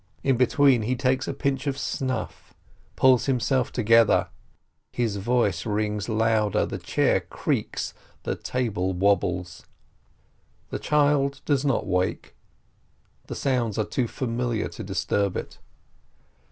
In between he takes a pinch of snuff, pulls himself together, his voice rings louder, the chair creaks, the table wobbles. The child does not wake ; the sounds are too familiar to disturb it.